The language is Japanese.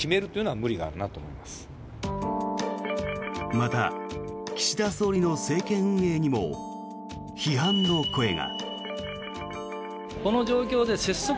また、岸田総理の政権運営にも批判の声が。